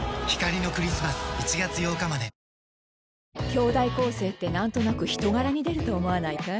兄弟構成ってなんとなく人柄に出ると思わないかい？